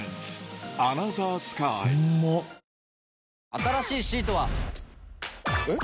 新しいシートは。えっ？